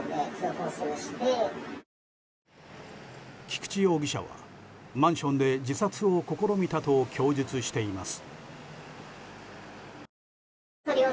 菊池容疑者はマンションで自殺を試みたと供述しています。